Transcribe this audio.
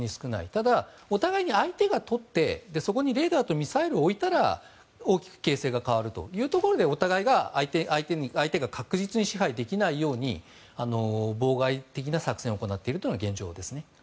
ただ、お互いに相手がとってそこにレーダーとミサイルを置いたら大きく形勢が変わるところでお互いに相手が確実に支配できないように妨害的な作戦を行っているというのが現状です。